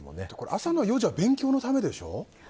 朝の４時は勉強のためでしょ？